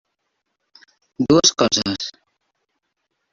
Dues coses.